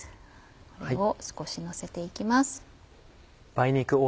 これを少しのせて行きます。